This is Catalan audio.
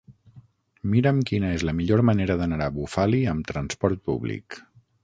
Mira'm quina és la millor manera d'anar a Bufali amb transport públic.